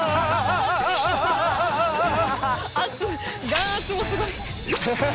眼圧もすごい。